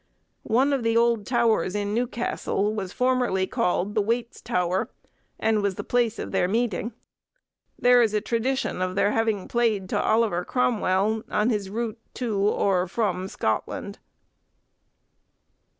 One of the old towers in Newcastle was formerly called the wait's tower, and was the place of their meeting. There is a tradition of their having played to Oliver Cromwell, on his route to or from Scotland.